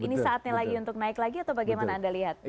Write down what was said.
ini saatnya lagi untuk naik lagi atau bagaimana anda lihat